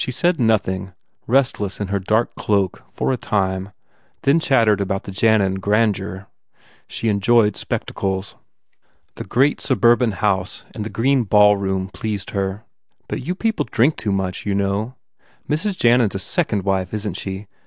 She said nothing, restless in her dark cloak for a time then chattered about the Jannan grandeur. She enjoyed spectacles. The great suburban 241 THE FAIR REWARDS house and the green ballroom pleased her. u But you people drink too much, you know? Mrs. Jannan s a second wife, isn t she?